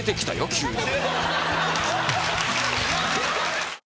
急に。